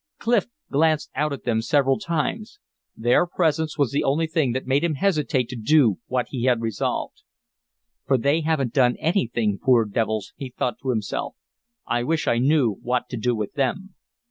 Clif glanced out at them several times; their presence was the only thing that made him hesitate to do what he had resolved. "For they haven't done anything, poor devils," he thought to himself, "I wish I knew what to do with them."